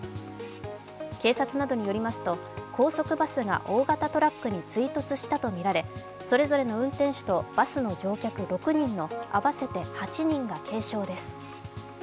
警察などによりますと、高速バスが大型トラックに追突したとみられ、それぞれの運転手とバスの乗客６人の合わせて８人が軽傷です。